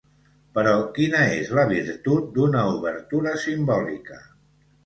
Però quina és la virtut d’una obertura simbòlica?